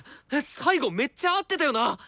最後めっちゃ合ってたよな！